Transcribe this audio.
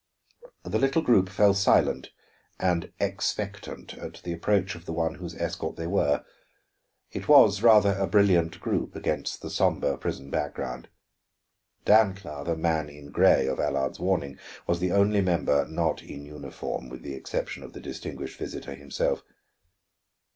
The little group fell silent and expectant at the approach of the one whose escort they were. It was rather a brilliant group against the somber prison background. Dancla, "the man in gray" of Allard's warning, was the only member not in uniform, with the exception of the distinguished visitor himself.